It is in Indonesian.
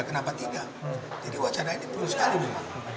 kenapa tidak jadi wacana ini betul sekali memang